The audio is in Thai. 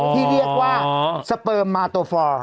อ๋อที่เรียกว่าสเปิร์มมาตัวฟอร์